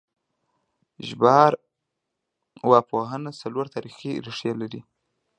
ژبارواپوهنه څلور تاریخي ریښې لري